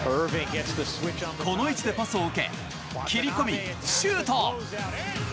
この位置でパスを受け切り込み、シュート。